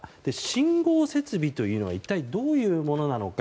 信号設備というのは一体どういうものなのか。